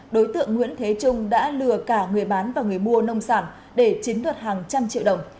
đối tượng nguyễn thế trung đã lừa cả người bán và người mua nông sản để chiến thuật hàng trăm triệu đồng